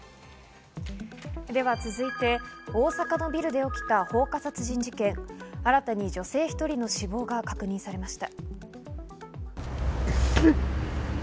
続いて、大阪のビルで起きた放火殺人事件、新たに女性１人の死亡が確認されました。